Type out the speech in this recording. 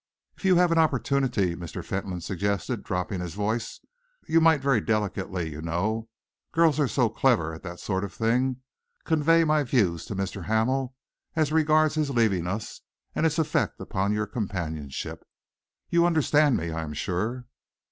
"If you have an opportunity," Mr. Fentolin suggested, dropping his voice, "you might very delicately, you know girls are so clever at that sort of thing convey my views to Mr. Hamel as regards his leaving us and its effect upon your companionship. You understand me, I am sure?"